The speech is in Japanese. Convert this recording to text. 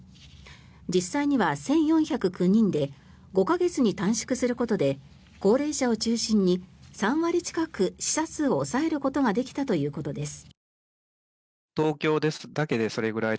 実際には１４０９人で５か月に短縮することで高齢者を中心に３割近く死者数を抑えることができたということです。